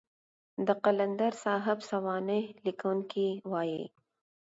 د قلندر صاحب سوانح ليکونکي وايي.